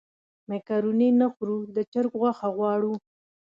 مېکاروني نه خورو د چرګ غوښه غواړو.